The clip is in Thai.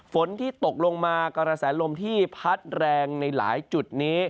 ฝนที่ตกลงมากระแสลมที่พัดแรงในหลายจุดนี้